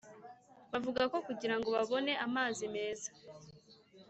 Bavuga ko kugira ngo babone amazi meza